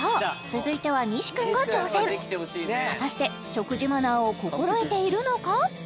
続いては西君が挑戦果たして食事マナーを心得ているのか？